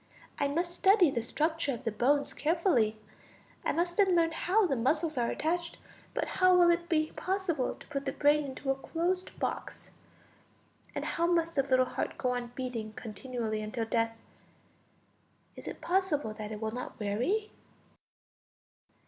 I must study the structure of the bones carefully. I must then learn how the muscles are attached; but how will it be possible to put the brain into a closed box? And must the little heart go on beating continually until death? Is it possible that it will not weary?